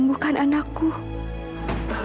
beberapa kali wajar